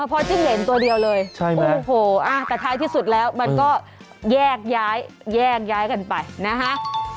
พอจิ้งเหรนตัวเดียวเลยโอ้โหแต่ท้ายที่สุดแล้วมันก็แยกย้ายแยกย้ายกันไปนะฮะ